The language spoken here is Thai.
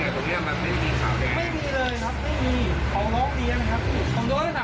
คือไม่อยากได้ชั่นหา